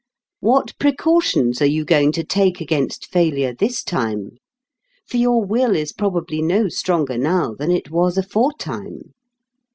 What precautions are you going to take against failure this time? For your will is probably no stronger now than it was aforetime.